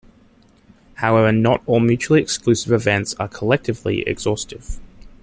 However, not all mutually exclusive events are collectively exhaustive.